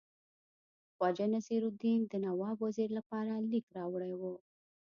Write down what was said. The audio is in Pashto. خواجه نصیرالدین د نواب وزیر لپاره لیک راوړی وو.